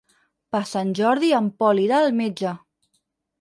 Per Sant Jordi en Pol irà al metge.